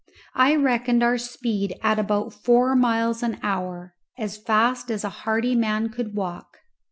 I reckoned our speed at about four miles an hour, as fast as a hearty man could walk.